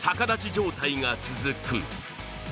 状態が続く。